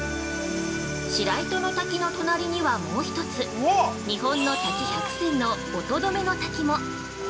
◆白糸の滝の隣には、もう一つ、日本の滝百選の「音止めの滝」も。